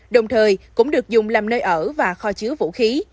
đồng thời cũng được dùng làm nơi ở và kho chứa vũ khí